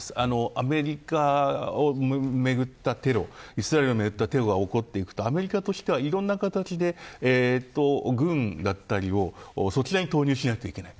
アメリカをめぐったテロイスラエルをめぐったテロが起こっていくとアメリカとしてはいろいろな形で軍だったりをそちらに投入しないといけない。